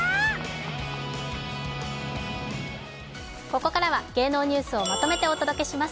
ここからは芸能ニュースをまとめてお届けします。